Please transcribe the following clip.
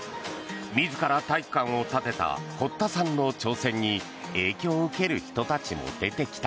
自ら体育館を建てた堀田さんの挑戦に影響を受ける人たちも出てきた。